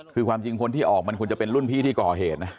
คือความจริงคนที่ออกมันควรจะเป็นรุ่นพี่ที่ก่อเหตุนะ